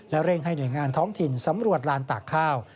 เร่งให้หน่วยงานท้องถิ่นสำรวจลานตากข้าว